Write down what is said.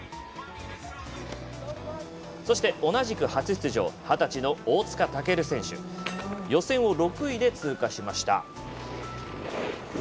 そして同じく初出場２０歳の大塚健選手予選を６位で通過しました。